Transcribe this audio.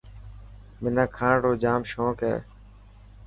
منا کاڻ رو جام شونڪ هي.